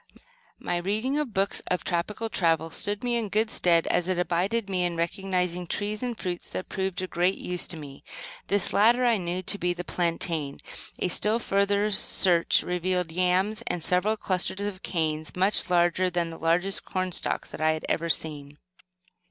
My reading of books of tropical travel stood me in good stead as it aided me in recognizing trees and fruits that proved of great use to me. This latter, I knew to be the plantain. A still further search revealed yams, and several clusters of canes, much larger than the largest cornstalks that I had ever seen.